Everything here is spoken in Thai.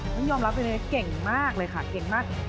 ต้องยอมรับไปเลยเก่งมากเลยค่ะเก่งมาก